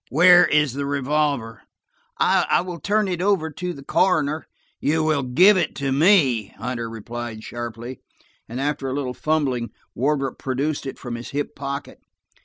"Where is the revolver?" "I will turn it over to the coroner." "You will give it to me," Hunter replied sharply. And after a little fumbling, Wardrop produced it from his hip pocket.